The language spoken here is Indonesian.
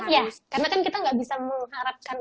ya karena kita gak bisa mengharapkan